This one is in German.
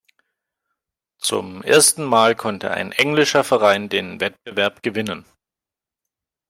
Zum ersten Mal konnte ein englischer Verein den Wettbewerb gewinnen.